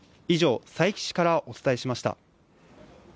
以上、佐伯市からお伝えしました。